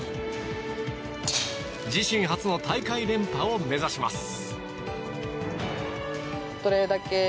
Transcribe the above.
自身初の大会連覇を目指します。